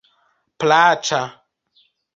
plaĉa